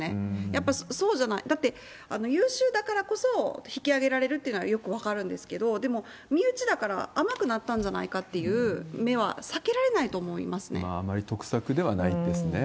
やっぱりそうじゃない、だって、優秀だからこそ引き上げられるっていうのはよく分かるんですけど、でも、身内だから甘くなったんじゃないかっていう目は避けられないと思あまり得策ではないですね。